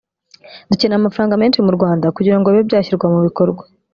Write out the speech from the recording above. dukeneye amafaranga menshi mu Rwanda kugira ngo bibe byashyirwa mu bikorwa